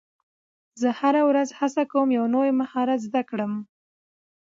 زه هره ورځ هڅه کوم یو نوی مهارت زده کړم